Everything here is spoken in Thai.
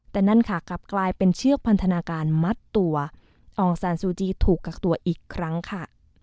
แต่นั่นค่ะกลับกลายเป็นเชือกพันธนาการมัดตัวอองซานซูจีถูกกักตัวอีกครั้งค่ะ